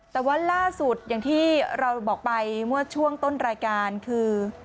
แต่ว่าล่าสุดอย่างที่เราบอกไปเมื่อช่วงต้นรายการคือ